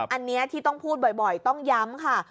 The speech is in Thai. อันนี้ที่ต้องพูดบ่อยต้องย้ำค่ะ